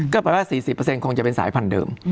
ก็แปลว่า๔๐คงจะเป็นสายพันธุ์เดิม